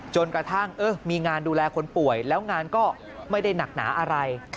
จนกระทั่งมีงานดูแลคนป่วยแล้วงานก็ไม่ได้หนักหนาอะไร